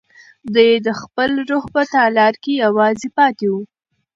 دی د خپل روح په تالار کې یوازې پاتې و.